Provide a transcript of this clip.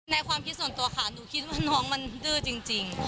ความคิดส่วนตัวค่ะหนูคิดว่าน้องมันดื้อจริง